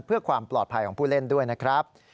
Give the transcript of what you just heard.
เพื่อความปลอดภัยของผู้เล่นด้วยนะครับ